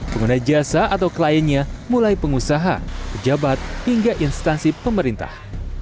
pengguna jasa atau kliennya mulai pengusaha pejabat hingga instansi pemerintah